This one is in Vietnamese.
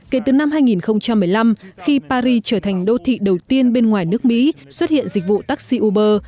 kể từ năm hai nghìn một mươi năm khi paris trở thành đô thị đầu tiên bên ngoài nước mỹ xuất hiện dịch vụ taxi uber